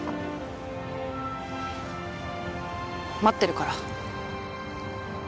待ってるから。